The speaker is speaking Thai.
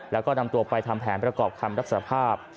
แล้วก็นำตัวไปทำแผนประกอบคำรับสภาพ